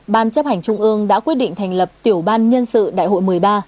ban chấp hành trung ương đã quyết định thành lập tiểu ban nhân sự đại hội một mươi ba